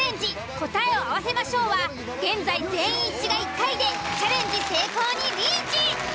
答えを合わせましょう！は現在全員一致が１回でチャレンジ成功にリーチ！